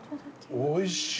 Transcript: おいしい。